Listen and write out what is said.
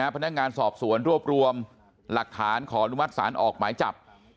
พนักงานสอบสวนรวบรวมหลักฐานขออนุมัติศาลออกหมายจับ